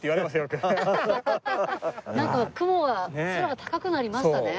なんか雲が空が高くなりましたね。